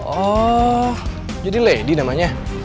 oh jadi lady namanya